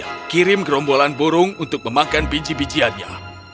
aku akan membuat perombolan burung untuk memakan biji bijiannya